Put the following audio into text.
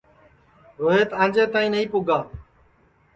روہیت آنجے تائی نائی پُگا